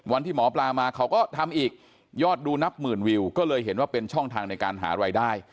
วันที่หมอปลามาเขาก็ทำอีกยอดดูนับหมื่นวิวก็เลยเห็นว่าเป็นช่องทางในการหารายได้